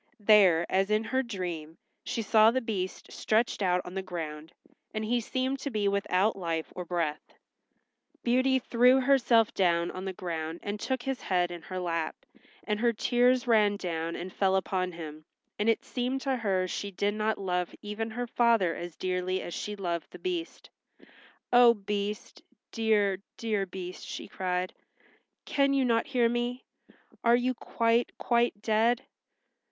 There, as in her dream, she saw the Beast stretched out on the ground, and he seemed to be without life or breath. Beauty threw herself down on the ground and took his head in her lap, and her tears ran down and fell upon him, and it seemed to her she did not love even her father as dearly as she loved the Beast. "Oh, Beast—dear, dear Beast," she cried, "can you not hear me? Are you quite, quite dead?"